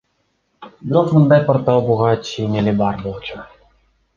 Бирок мындай портал буга чейин эле бар болчу.